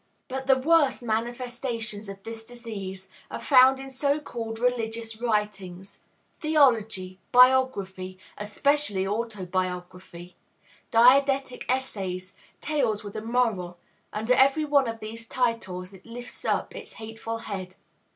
But the worst manifestations of this disease are found in so called religious writing. Theology, biography, especially autobiography, didactic essays, tales with a moral, under every one of these titles it lifts up its hateful head.